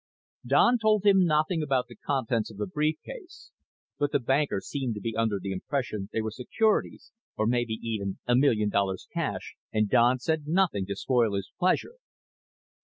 Don told him nothing about the contents of the brief case, but the banker seemed to be under the impression they were securities or maybe even a million dollars cash, and Don said nothing to spoil his pleasure.